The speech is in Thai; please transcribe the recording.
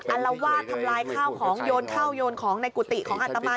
อลวาดทำลายข้าวของโยนเข้าโยนของในกุฏิของอัตมา